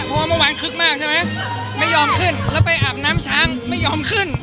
เพราะว่าเมื่อวานคึกมากใช่ไหมไม่ยอมขึ้นแล้วไปอาบน้ำช้างไม่ยอมขึ้น